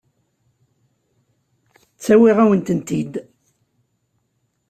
Ttawiɣ-awen-tent-id.